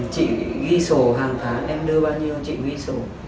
chị ghi sổ hàng tháng em đưa bao nhiêu chị huy sổ